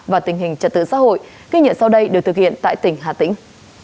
và tình hình trật tự xã hội ghi nhận sau đây được thực hiện tại tỉnh hà tĩnh